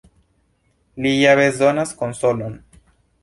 Li ja bezonas konsolon.